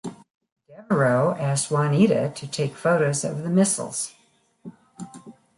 Devereaux asks Juanita to take photos of the missiles.